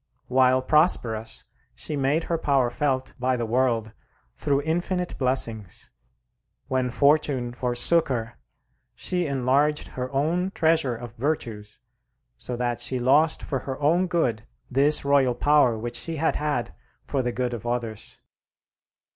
While prosperous she made her power felt by the world through infinite blessings; when fortune forsook her, she enlarged her own treasure of virtues, so that she lost for her own good this royal power which she had had for the good of others.